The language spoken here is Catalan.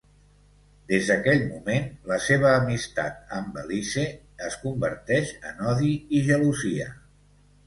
Des d'aquell moment, la seva amistat amb Belize es converteix en odi i gelosia.